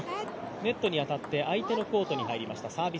ネットに当たって相手のコースに入りました。